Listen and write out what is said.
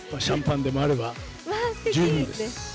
シャンパンでもあれば、十分です。